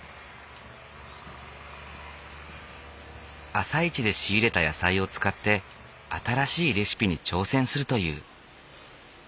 朝市で仕入れた野菜を使って新しいレシピに挑戦するという。